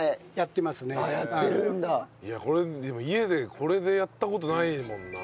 いやこれでも家でこれでやった事ないもんな。